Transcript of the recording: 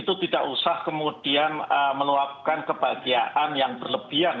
itu tidak usah kemudian meluapkan kebahagiaan yang berlebihan